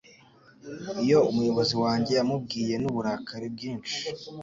Iyo umuyobozi wanjye yamubwiye n'uburakari bwinshi